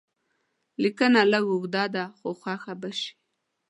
لیکنه لږ اوږده ده خو خوښه به شي.